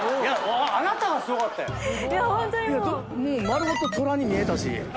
もう丸ごとトラに見えたし。